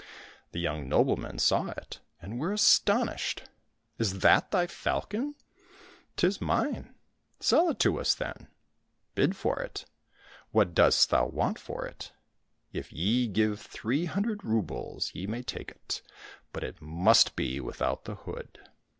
The young noblemen saw it and were astonished. " Is that thy falcon ?"—*' 'Tis mine."— " Sell it to us, then !"—" Bid for it !"—*' What dost thou want for it ?"—" If ye give three hundred roubles, ye may take it, but it must be without the hood."